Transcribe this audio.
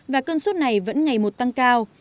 và cân suất này vẫn ngày một tăng cao